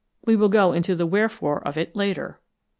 We will go into the wherefore of it later."